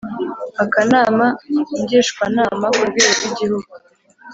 Akanama Ngishwanama ku rwego rw Igihugu